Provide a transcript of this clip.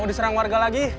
bisa diserang warga lagi